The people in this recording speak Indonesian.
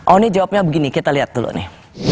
oni jawabnya begini kita lihat dulu nih